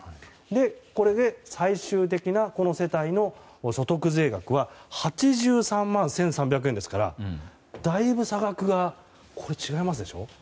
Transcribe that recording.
これで最終的なこの世帯の所得税額は８３万１３００円ですからだいぶ差額が違いますでしょ。